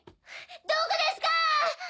どこですか！